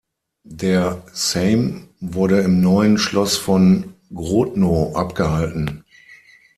Der Sejm wurde im Neuen Schloss von Grodno abgehalten.